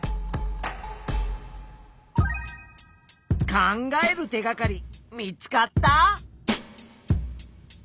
考える手がかり見つかった？